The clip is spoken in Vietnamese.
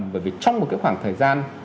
bởi vì trong một khoảng thời gian